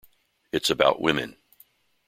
It's about women.